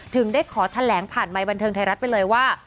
ถึงได้ขอแถลงผ่านไมค์บันเทิงไทยรัฐไปเลยว่า